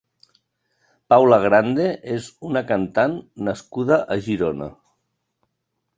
Paula Grande és una cantant nascuda a Girona.